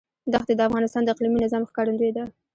دښتې د افغانستان د اقلیمي نظام ښکارندوی ده.